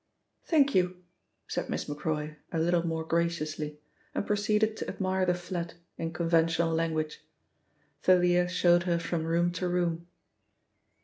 "Thank you," said Miss Macroy, a little more graciously, and proceeded to admire the flat in conventional language. Thalia showed her from room to room.